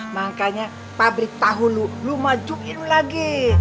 makanya pabrik tahu lu lu majuin lagi